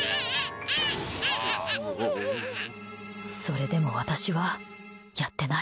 それでも私はやっていない。